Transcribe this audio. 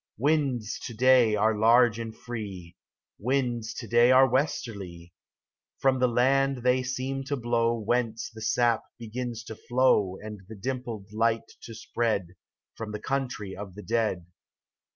WINDS to day are large and free, Winds to day are westerly ; From the land they seem to blow Whence the sap begins to flow And the dimpled light to spread, From the country of the dead.